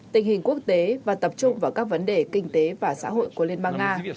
tình hình quốc tế và tập trung vào các vấn đề kinh tế và xã hội của liên bang nga